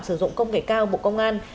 sử dụng công nghệ cao bộ công an